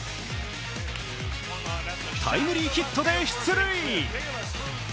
タイムリーヒットで出塁。